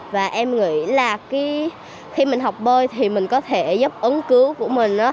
và em nghĩ là khi mình học bơi thì mình có thể giúp ứng cứu của mình